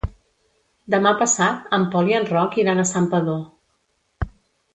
Demà passat en Pol i en Roc iran a Santpedor.